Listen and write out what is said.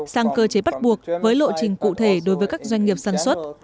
sang cơ chế bắt buộc với lộ trình cụ thể đối với các doanh nghiệp sản xuất